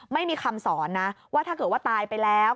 ไม่มีคำสอนนะว่าถ้าเกิดว่าตายไปแล้ว